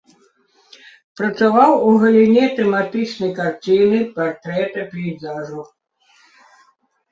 Працаваў у галіне тэматычнай карціны, партрэта, пейзажу.